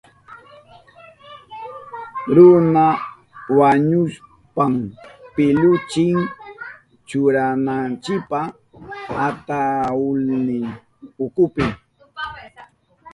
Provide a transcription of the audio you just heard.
Runa wañushpan pillunchi churananchipa atahulnin ukupi.